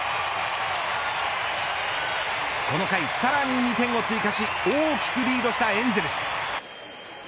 この回さらに２点を追加し大きくリードしたエンゼルス。